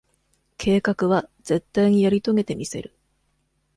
計画は、絶対にやり遂げてみせる。